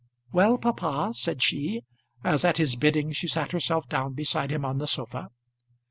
"Well, papa," said she, as at his bidding she sat herself down beside him on the sofa.